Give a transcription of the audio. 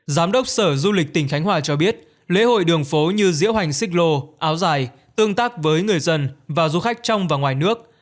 giám đốc sở du lịch tỉnh khánh hòa cho biết lễ hội đường phố như diễu hành xích lô áo dài tương tác với người dân và du khách trong và ngoài nước